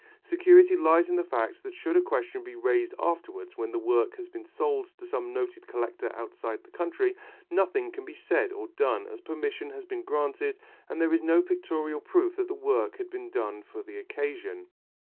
Security lies in the fact that should a question be raised afterwards when the work has been sold to some noted collector outside the country, nothing can be said or done, as permission has been granted and there is no pictorial proof that the work had been done for the occasion.